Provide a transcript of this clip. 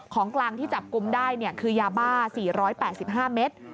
ของกลางที่จับกลุ่มได้คือยาบ้า๔๘๕เมตร